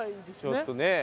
ちょっとね。